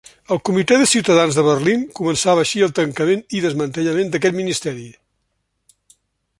El Comitè de Ciutadans de Berlín començava així el tancament i desmantellament d'aquest Ministeri.